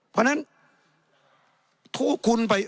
เพราะฉะนั้น